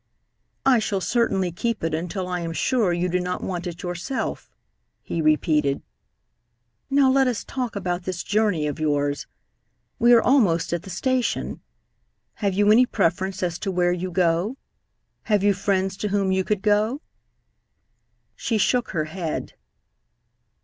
"I shall certainly keep it until I am sure you do not want it yourself," he repeated. "Now let us talk about this journey of yours. We are almost at the station. Have you any preference as to where you go? Have you friends to whom you could go?" She shook her head.